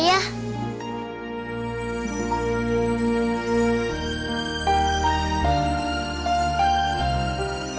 ya adalah doncsang